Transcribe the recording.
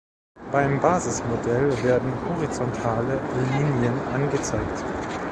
Beim Basismodell werden horizontale Linien angezeigt.